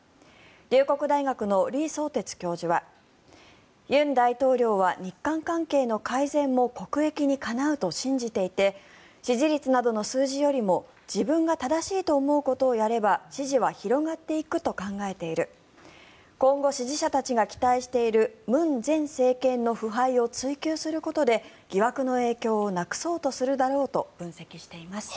龍谷大学の李相哲教授は尹大統領は日韓関係の改善も国益にかなうと信じていて支持率などの数字よりも自分が正しいと思うことをやれば支持は広がっていくと考えている今後、支持者たちが期待してる文前政権の腐敗を追及することで、疑惑の影響をなくそうとするだろうと分析しています。